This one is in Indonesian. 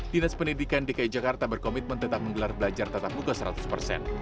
dinas pendidikan dki jakarta berkomitmen tetap menggelar belajar tetap muka seratus persen